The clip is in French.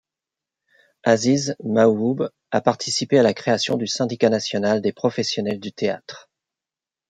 Aziz Maouhoub a participé à la création du Syndicat national des professionnels du théâtre.